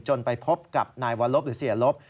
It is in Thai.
ไปพบกับนายวรลบหรือเสียลบ